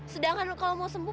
sedangkan kalau mau sembuh